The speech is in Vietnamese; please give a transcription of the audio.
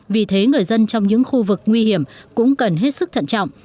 vì thế người dân trong những khu vực nguy hiểm cũng cần hết sức thận trọng